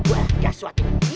wah jaswat ini